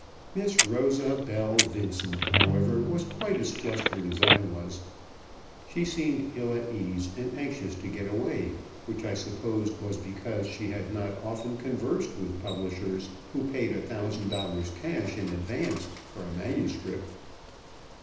Miss Rosa Belle Vincent, however, was quite as flustered as I was. She seemed ill at ease and anxious to get away, which I supposed was because she had not often conversed with publishers who paid a thousand dollars cash in advance for a manuscript.